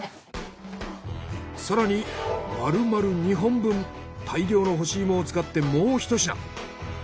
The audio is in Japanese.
更にまるまる２本分大量の干し芋を使ってもうひと品。